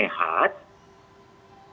bagaimana dia akan sehat selanjutnya